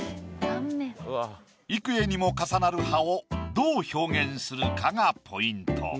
幾重にも重なる葉をどう表現するかがポイント。